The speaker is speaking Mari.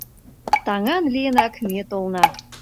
Таҥан лийынак ме толна.